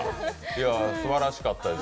いや、すばらしかったです。